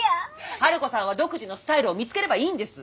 春子さんは独自のスタイルを見つければいいんです！